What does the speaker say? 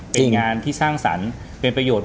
เป็นงานที่สร้างสรรค์เป็นประโยชน์